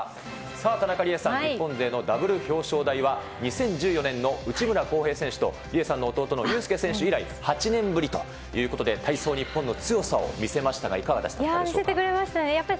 さあ、田中理恵さん、日本勢のダブル表彰台は２０１４年の内村航平選手と、理恵さんの弟の佑典選手以来、８年ぶりということで、体操日本の強さを見せましたが、いかがでしたでしょうか。